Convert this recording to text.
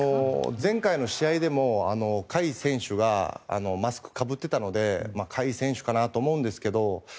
前回の試合でも甲斐選手がマスクをかぶっていたので甲斐選手かなと思うんですけど。